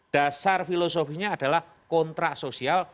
dasar filosofinya adalah kontrak sosial